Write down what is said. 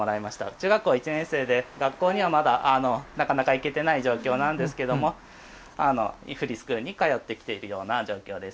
中学校１年生で学校には、まだなかなか行けていない状況なんですけどもフリースクールに通ってきているような状況です。